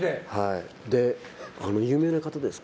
有名な方ですか？